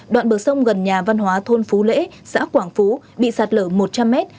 đoạn bờ sông gần nhà văn hóa thôn phú lễ xã quảng phú bị sạt lở một trăm linh mét